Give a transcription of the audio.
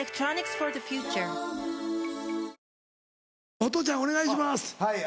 ホトちゃんお願いします。